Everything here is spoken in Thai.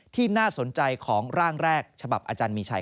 ที่น่าสนใจของร่างแรกฉบับอาจารย์มีชัย